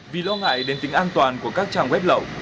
vì lo ngại đến tính an toàn của các trang web lậu